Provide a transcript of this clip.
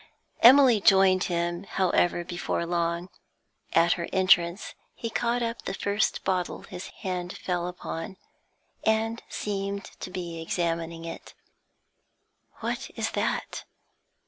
Emily joined him, however, before long. At her entrance he caught up the first bottle his hand fell upon, and seemed to be examining it. 'What is that?'